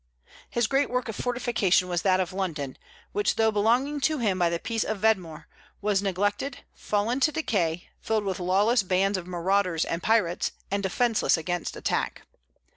His great work of fortification was that of London, which, though belonging to him by the peace of Wedmore, was neglected, fallen to decay, filled with lawless bands of marauders and pirates, and defenceless against attack.